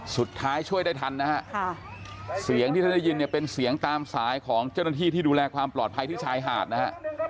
ช่วยได้ทันนะฮะเสียงที่ท่านได้ยินเนี่ยเป็นเสียงตามสายของเจ้าหน้าที่ที่ดูแลความปลอดภัยที่ชายหาดนะฮะ